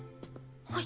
はい。